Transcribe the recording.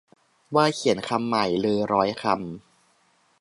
ว่าเขียนคำใหม่เลยร้อยคำ